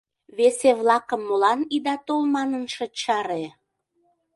Весе-влакым молан ида тол манын шыч чаре?!